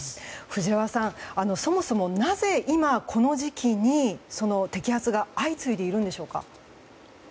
藤原さん、そもそもなぜ今、この時期に摘発が相次いでいるんでしょうか？